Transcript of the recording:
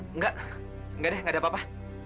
enggak enggak deh enggak ada apa apa